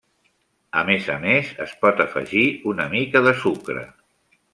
A més a més, es pot afegir una mica de sucre.